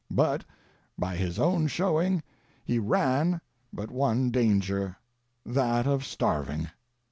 But, by his own show ing, he ran but one danger — that of starving.